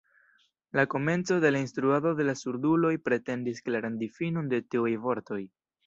La komenco de la instruado de la surduloj pretendis klaran difinon de tiuj vortoj.